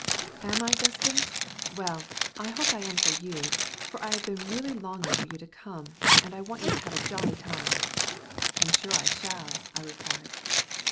"Am I, Justin? Well, I hope I am to you, for I have been really longing for you to come, and I want you to have a jolly time." "I'm sure I shall," I replied.